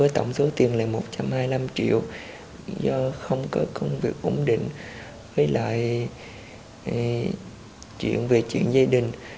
tổng số tiền là một trăm hai mươi năm triệu do không có công việc ổn định với lại chuyện về chuyện gia đình